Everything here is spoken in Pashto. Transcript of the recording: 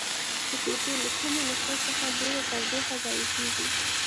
د کوټې له کومو نقطو څخه ډیره تودوخه ضایع کیږي؟